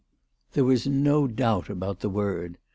There was no doubt about the word.